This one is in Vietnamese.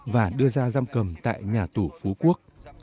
và đưa ra giam cầm tại nhà tù phú quốc